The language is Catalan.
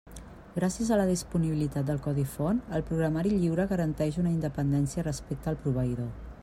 Gràcies a la disponibilitat del codi font, el programari lliure garanteix una independència respecte al proveïdor.